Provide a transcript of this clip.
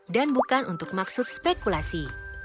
dan bukan untuk maksud spekulasi